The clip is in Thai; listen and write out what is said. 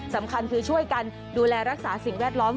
สำคัญคือช่วยกันดูแลรักษาสิ่งแวดล้อม